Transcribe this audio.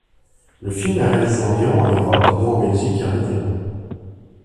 Le film a réalisé environ en Europe dont en Belgique et en Italie.